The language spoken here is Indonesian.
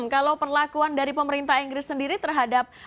kalau perlakuan dari pemerintah inggris sendiri terhadap